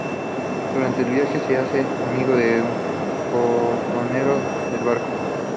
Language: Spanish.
Durante el viaje se hace amigo de un fogonero del barco.